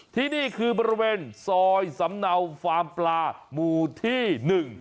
ที่นี่คือบริเวณซอยสำเนาฟาร์มปลาหมู่ที่หนึ่ง